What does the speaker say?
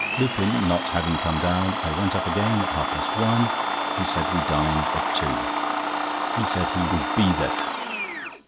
Lupin not having come down, I went up again at half past one, and said we dined at two; he said he "would be there."